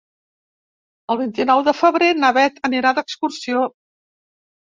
El vint-i-nou de febrer na Beth anirà d'excursió.